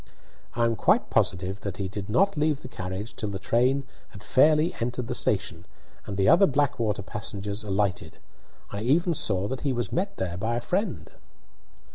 "I am quite positive that he did not leave the carriage till the train had fairly entered the station, and the other Blackwater passengers alighted. I even saw that he was met there by a friend."